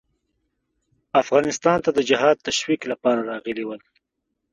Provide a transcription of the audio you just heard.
افغانستان ته د جهاد تشویق لپاره راغلي ول.